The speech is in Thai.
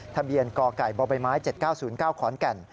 ทะเบียนกไก่บใบไม้๗๙๐๙ขอนแก่น